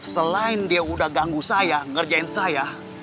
selain dia udah ganggu saya ngerjain saya